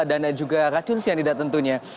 dan juga racun cyanida tentunya